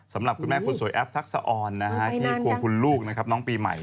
สำหรับคุณแม่คุณสวยแอฟทักษาอ่อนที่ได้ควบคุณลูกน้องปีใหม่